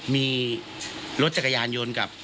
มีรถจักรยานยนต์กับ